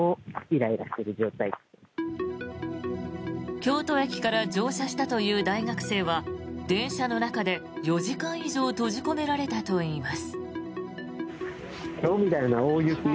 京都駅から乗車したという大学生は、電車の中で４時間以上閉じ込められたといいます。